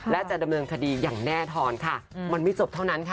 และจะดำเนินคดีอย่างแน่นอนค่ะมันไม่จบเท่านั้นค่ะ